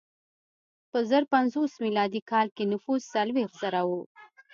په زر پنځوس میلادي کال کې نفوس څلوېښت زره و.